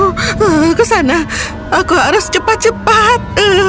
berlindung ke sana aku harus cepat cepat